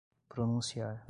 pronunciar